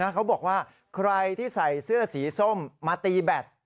เขาบอกว่าใครที่ใส่เสื้อสีส้มมาตีแบต